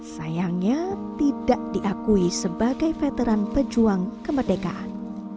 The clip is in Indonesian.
sayangnya tidak diakui sebagai veteran pejuang kemerdekaan